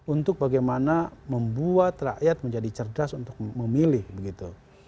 untuk bagaimana membuat rakyat menjadi cerdas untuk memilih begitu